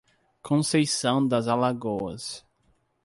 Conceição das Alagoas